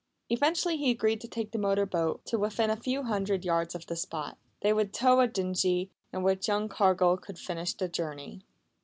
Eventually he agreed to take the motor boat to within a few hundred yards of the spot. They would tow a dinghy, in which young Cargill could finish the journey.